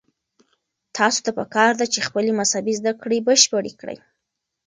تاسو ته پکار ده چې خپلې مذهبي زده کړې بشپړې کړئ.